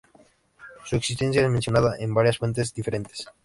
Su existencia es mencionada en varias fuentes diferentes.